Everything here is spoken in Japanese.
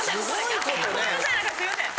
すいません！